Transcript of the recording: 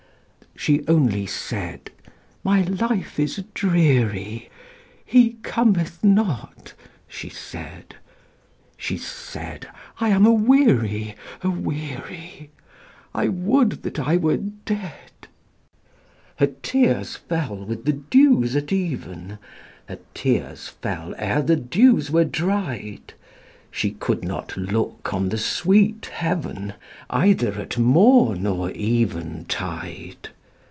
She only said, "My life is dreary, He cometh not," she said; She said, "I am aweary, aweary, I would that I were dead!" Her tears fell with the dews at even; Her tears fell ere the dews were dried; She could not look on the sweet heaven, Either at morn or eventide.